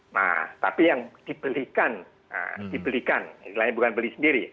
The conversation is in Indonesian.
nah tapi yang dibelikan dibelikan nilainya bukan beli sendiri